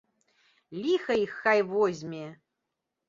Ліха іх хай возьме!